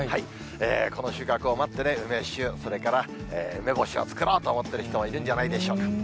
この収穫を待ってね、梅酒、それから梅干しを作ろうと思ってる人もいるんじゃないでしょうか。